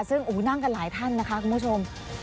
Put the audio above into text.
ซึ่งนั่งกันหลายท่านนะคะคุณผู้ชม